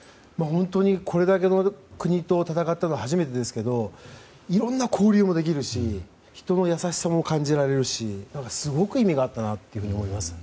本当にこれだけの国と戦ったのは初めてですがいろんな交流もできるし人の優しさも感じられるしすごく意味があったなと思います。